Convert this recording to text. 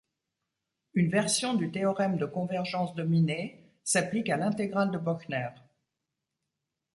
Une version du théorème de convergence dominée s'applique à l'intégrale de Bochner.